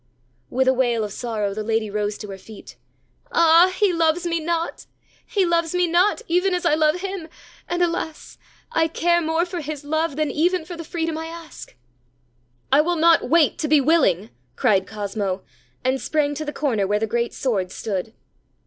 With a wail of sorrow the lady rose to her feet. ãAh! he loves me not; he loves me not even as I love him; and alas! I care more for his love than even for the freedom I ask.ã ãI will not wait to be willing,ã cried Cosmo; and sprang to the corner where the great sword stood.